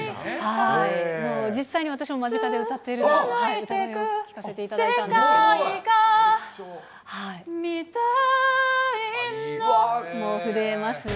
もう実際に私も間近で歌っているのを聴かせていただいたんですが。